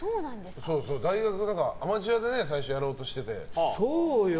大学でアマチュアで最初やろうとしてて。